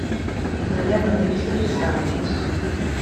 No hi ha notícies històriques.